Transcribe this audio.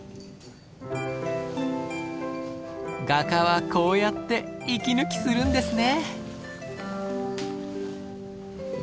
画家はこうやって息抜きするんですね。